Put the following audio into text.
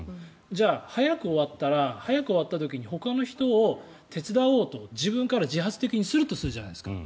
じゃあ、早く終わったら早く終わった時にほかの人を手伝おうと自分から自発的にするとするじゃないですか。